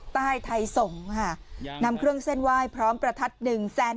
ใต้ไทยสงฯนำเครื่องเส้นวายพร้อมประทัด๑๒๐๐๐๐นาท